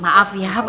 maaf ya pak biru